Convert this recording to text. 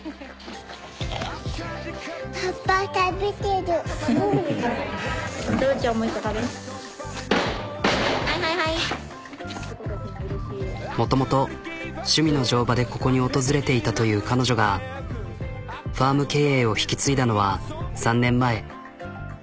どうぞもうもともと趣味の乗馬でここに訪れていたという彼女がファーム経営を引き継いだのは３年前。